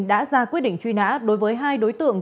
đã ra quyết định truy nã đối với hai đối tượng